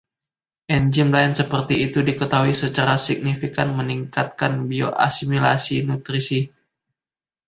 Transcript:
Enzim lain seperti itu diketahui secara signifikan meningkatkan bio-asimilasi nutrisi.